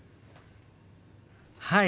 はい！